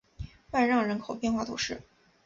万让人口变化图示